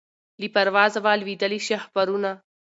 له پروازه وه لوېدلي شهپرونه